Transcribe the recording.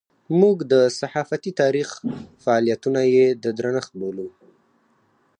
موږ د صحافتي تاریخ فعالیتونه یې د درنښت بولو.